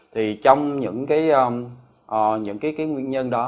thì trong những cái nguyên nhân đó